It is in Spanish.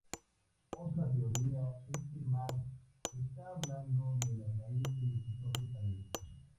Otra teoría es que Max está hablando de las raíces de su propio país.